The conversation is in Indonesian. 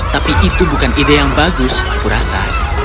tapi itu bukan ide yang bagus aku rasa